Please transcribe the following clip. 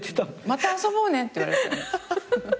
「また遊ぼうね」って言われてたね。